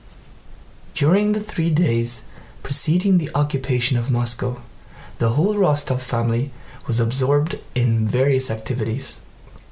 During the three days preceding the occupation of Moscow the whole Rostóv family was absorbed in various activities.